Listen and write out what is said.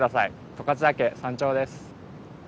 十勝岳山頂です。